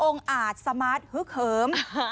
องค์อาจสมาธิฮึเกิร์ม